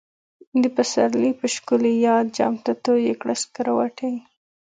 د پسرلی په شکلی یاد، جام ته تویی کړه سکروټی